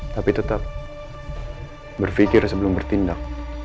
tapi tetap berpikir sebelum bertindak